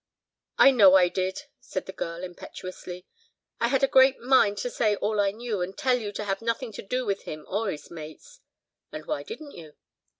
"I know I did," said the girl, impetuously. "I had a great mind to say all I knew, and tell you to have nothing to do with him or his mates." "And why didn't you?"